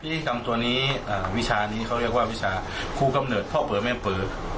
ที่กรรมตัวนี้วิชานี้เขาเรียกว่าวิชาครูกำเนิดพ่อเผลอแม่เผลอ